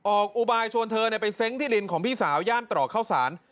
อุบายชวนเธอไปเซ้งที่ดินของพี่สาวย่านตรอกเข้าสาร